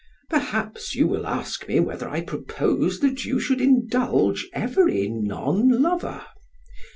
'Perhaps you will ask me whether I propose that you should indulge every non lover.